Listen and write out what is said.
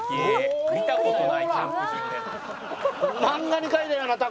「見た事ないキャンプ場で」